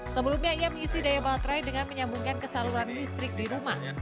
sebelumnya ia mengisi daya baterai dengan menyambungkan kesaluran listrik di rumah